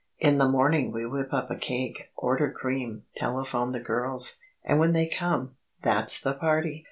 "In the morning we whip up a cake, order cream, telephone the girls, and when they come, that's the party!"